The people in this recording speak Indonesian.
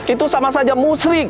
itu sama saja musrik